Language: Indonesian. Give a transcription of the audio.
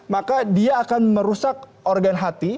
maka dia akan merusak organ hati